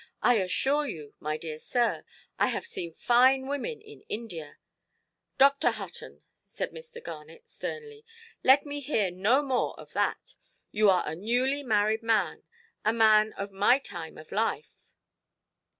I assure you, my dear sir, I have seen fine women in India——" "Dr. Hutton", said Mr. Garnet, sternly, "let me hear no more of that. You are a newly–married man, a man of my time of life.